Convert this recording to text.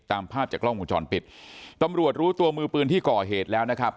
ตามภาพจากกล้องวงจรปิดตำรวจรู้ตัวมือปืนที่ก่อเหตุแล้วนะครับ